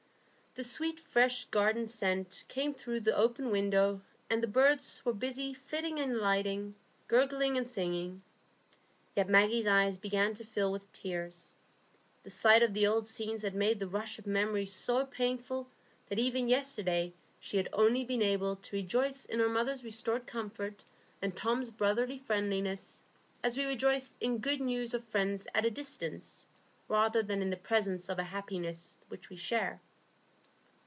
The sweet fresh garden scent came through the open window, and the birds were busy flitting and alighting, gurgling and singing. Yet Maggie's eyes began to fill with tears. The sight of the old scenes had made the rush of memories so painful that even yesterday she had only been able to rejoice in her mother's restored comfort and Tom's brotherly friendliness as we rejoice in good news of friends at a distance, rather than in the presence of a happiness which we share.